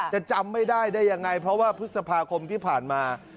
จำไม่ได้ได้ยังไงเพราะว่าพฤษภาคมที่ผ่านมา